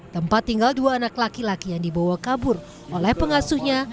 tempat tinggal dua anak laki laki yang dibawa kabur oleh pengasuhnya